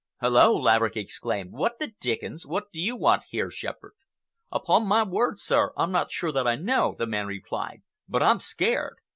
"Hullo!" Laverick exclaimed. "What the dickens—what do you want here, Shepherd?" "Upon my word, sir, I'm not sure that I know," the man replied, "but I'm scared.